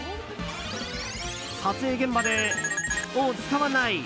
撮影現場でを使わない。